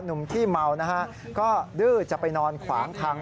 ขี้เมานะฮะก็ดื้อจะไปนอนขวางทาง